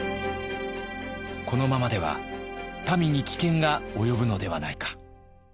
このままでは民に危険が及ぶのではないか。